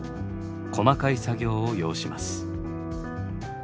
細かい作業を要します。